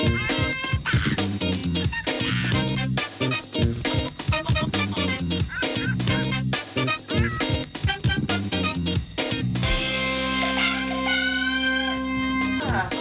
มค